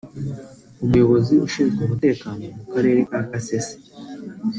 Umuyobozi ushinzwe umutekano mu Karere ka Kasese